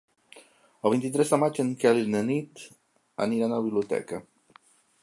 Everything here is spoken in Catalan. El vint-i-tres de maig en Quel i na Nit aniran a la biblioteca.